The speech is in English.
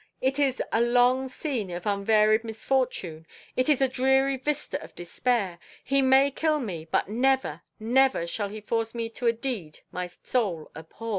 It is a long scene of unvaried misfortune. It is a dreary vista of despair. He may kill me, but never, never shall he force me to a deed my soul abhors."